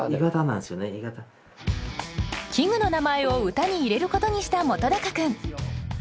器具の名前を歌に入れることにした本君。